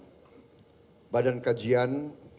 dan ketua badan kajian